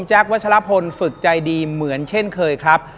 วัชลพลฝึกใจดีเหมือนเช่นเคยครับ